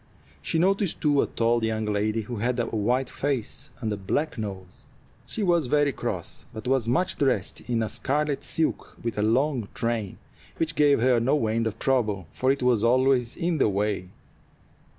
She noticed, too, a tall young lady who had a white face with a black nose. She looked very cross, but was much dressed in a scarlet silk, with a long train, which gave her no end of trouble, for it was always in the way.